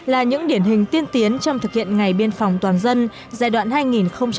là những điển hình tiên tiến trong thực hiện ngày biên phòng toàn dân giai đoạn hai nghìn chín hai nghìn một mươi chín